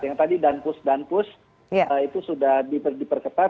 yang tadi danpus danpus itu sudah diperketat